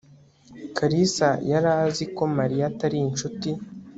kalisayari azi ko mariya atari inshuti